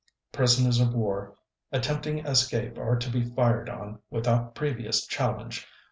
. Prisoners of war attempting escape are to be fired on without previous challenge.